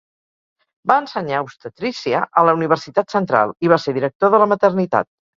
Va ensenyar obstetrícia a la Universitat Central i va ser director de la Maternitat.